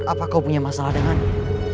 apa kau punya masalah denganmu